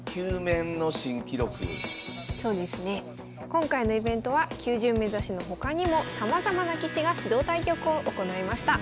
今回のイベントは９０面指しの他にもさまざまな棋士が指導対局を行いました。